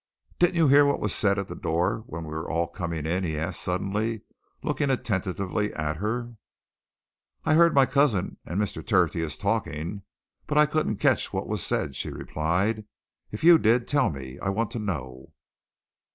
"Didn't you hear what was said at the door when we were all coming in?" he asked suddenly, looking attentively at her. "I heard my cousin and Mr. Tertius talking, but I couldn't catch what was said," she replied. "If you did, tell me I want to know."